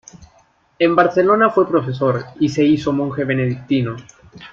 En Barcelona fue profesor y se hizo monje benedictino.